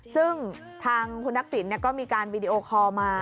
ซึ่งทางคุณทักษิณก็มีการวีดีโอคอลมา